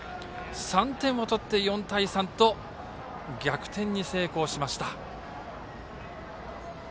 ３点を取って４対３と逆転に成功しました。